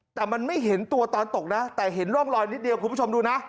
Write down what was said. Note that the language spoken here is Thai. แต่มันไม่เห็นตัวตอนตกนะแต่เห็นร่องรอยนิดเดียวคุณผู้ชมดูนะ